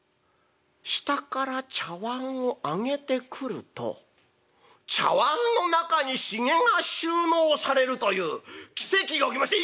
下から茶わんを上げてくると茶わんの中にひげが収納されるという奇跡が起きまして。